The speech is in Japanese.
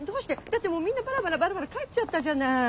だってもうみんなバラバラバラバラ帰っちゃったじゃない。